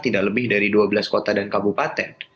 tidak lebih dari dua belas kota dan kabupaten